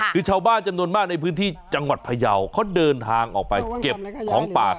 คือชาวบ้านจำนวนมากในพื้นที่จังหวัดพยาวเขาเดินทางออกไปเก็บของป่า